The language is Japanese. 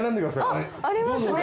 あっありますね。